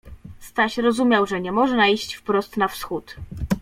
Staś rozumiał, że nie można iść wprost na wschód.